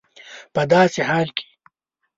په داسي حال کي